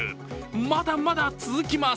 まだまだ続きます。